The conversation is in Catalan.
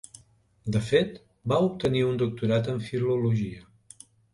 De fet, va obtenir un doctorat en filologia.